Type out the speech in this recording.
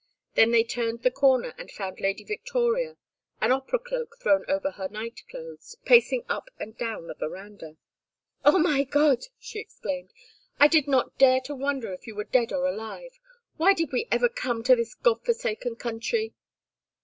Then they turned the corner and found Lady Victoria, an opera cloak thrown over her night clothes, pacing up and down the veranda. "Oh, my God!" she exclaimed. "I did not dare to wonder if you were dead or alive. Why did we ever come to this God forsaken country?"